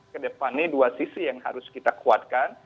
kedepannya dua sisi yang harus kita kuatkan